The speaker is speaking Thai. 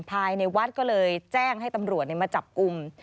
ภายในวัดก็เลยแจ้งให้ตำรวจมาจับกลุ่ม